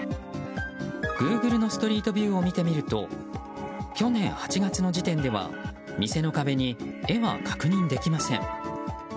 グーグルのストリートビューを見てみると去年８月の時点では店の壁に絵は確認できません。